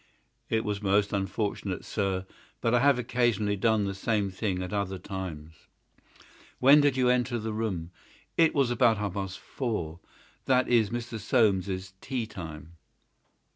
"It was most unfortunate, sir. But I have occasionally done the same thing at other times." "When did you enter the room?" "It was about half past four. That is Mr. Soames's tea time."